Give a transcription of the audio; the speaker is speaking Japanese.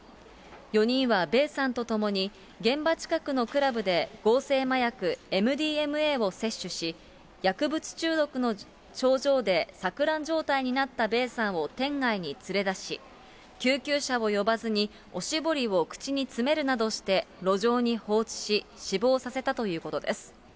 ４人はベーさんと共に、現場近くのクラブで合成麻薬ＭＤＭＡを接種し、薬物中毒の症状で錯乱状態になったベーさんを店外に連れ出し、救急車を呼ばずに、おしぼりを口に詰めるなどして路上に放置し、死亡させたということです。